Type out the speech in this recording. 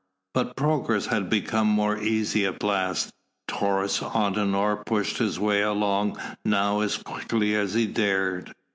But progress had become more easy at last. Taurus Antinor pushed his way along now as quickly as he dared.